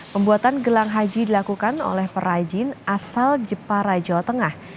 pembuatan gelang haji dilakukan oleh perajin asal jepara jawa tengah